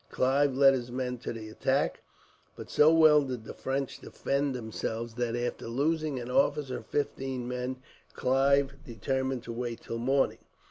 Clive led his men to the attack, but so well did the French defend themselves that, after losing an officer and fifteen men, Clive determined to wait till morning.